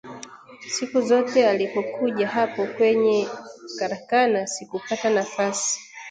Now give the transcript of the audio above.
Siku zote alipokuja hapo kwenye karakana sikupata nafasi